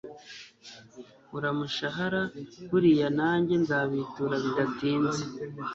uramushahara buriya najye nzabitura bidatinze